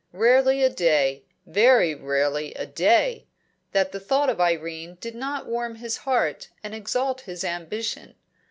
Rarely a day very rarely a day that the thought of Irene did not warm his heart and exalt his ambition.